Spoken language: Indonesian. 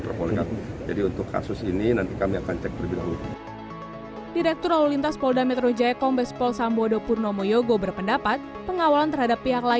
pengawalan terhadap pihak pengawalan yang dilakukan oleh dinas perhubungan dki jakarta